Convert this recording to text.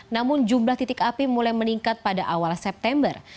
namun jumlah titik api mulai meningkat pada awal september